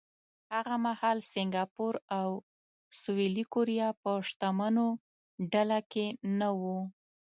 هغه مهال سینګاپور او سویلي کوریا په شتمنو ډله کې نه وو.